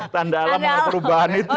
tanda alam perubahan itu